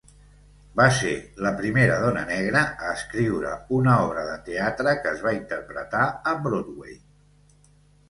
Va ser la primera dona negra a escriure una obra de teatre que es va interpretar a Broadway.